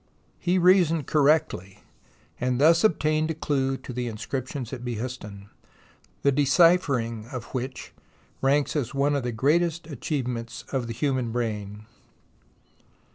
He reasoned cor rectly, and thus obtained a clue to the inscrip tions at Behistun, the deciphering of which ranks as one of the greatest achievements of the human brain.